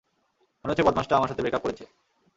মনে হচ্ছে বদমাশটা আমার সাথে ব্রেকাপ করেছে!